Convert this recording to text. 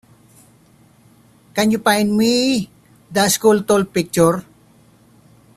Can you find me the SchoolTool picture?